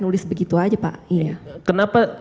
nulis begitu aja pak iya kenapa